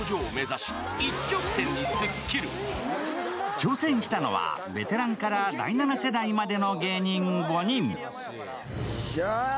挑戦したのはベテランから第７世代までの芸人５人。